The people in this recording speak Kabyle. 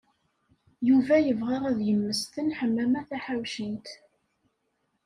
Yuba yebɣa ad yemmesten Ḥemmama Taḥawcint.